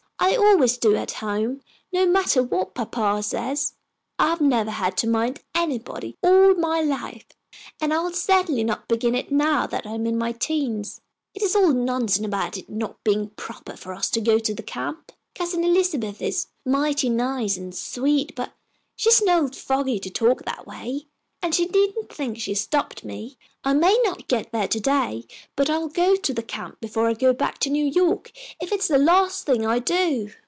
I always do at home, no matter what papa says. I've never had to mind anybody all my life, and I'll certainly not begin it now that I am in my teens. It is all nonsense about it not being proper for us to go to the camp. Cousin Elizabeth is mighty nice and sweet, but she's an old fogy to talk that way. And she needn't think she has stopped me. I may not get there to day, but I'll go to that camp before I go back to New York if it's the last thing I do."